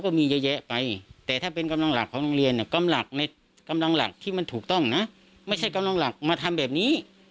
ก็มีเยอะแยะไปแต่ถ้าเป็นกำลังหลักของโรงเรียนเนี่ยกำลังในกำลังหลักที่มันถูกต้องนะไม่ใช่กำลังหลักมาทำแบบนี้